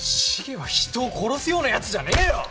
シゲは人を殺すようなやつじゃねえよ！